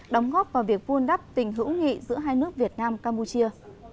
đóng góp vào việc vun đắp tình hữu nghị giữa hai nước việt nam campuchia